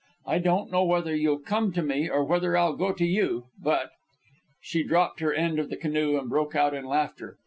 I don't know whether you'll come to me, or whether I'll go to you, but " She dropped her end of the canoe and broke out in laughter.